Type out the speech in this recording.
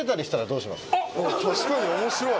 確かに面白い。